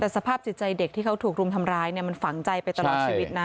แต่สภาพจิตใจเด็กที่เขาถูกรุมทำร้ายมันฝังใจไปตลอดชีวิตนะ